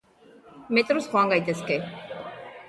Metroz joan gaitezke.